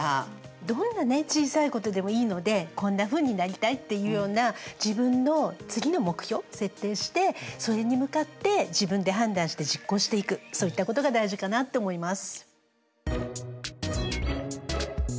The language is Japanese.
どんなね小さいことでもいいのでこんなふうになりたいっていうような自分の次の目標を設定してそれに向かって自分で判断して実行していくそういったことが大事かなって思います。